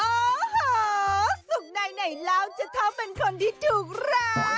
โอ้โหสุขใดแล้วจะเท่าเป็นคนที่ถูกรัก